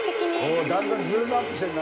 おっだんだんズームアップしてるな。